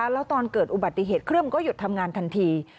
แล้วตอนเกิดอุบัติเหตุเครื่องก็หยุดทำงานทันที